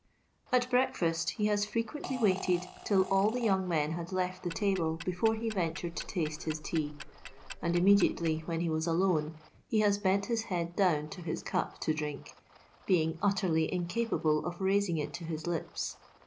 ... At breakfast he has firequently vraited till all the voung men had left the table before he ven tured to taste his tea ; and fanmediately, when he was alone, he has bent his head down to'hfs ciip to drink, being ntterty incapable of raising^ it to his lips.